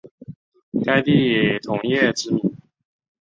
该地以铜业知名。